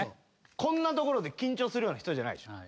こんなところで緊張するような人じゃないでしょ。